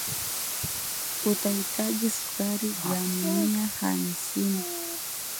utahitaji sukari gram mia hamsini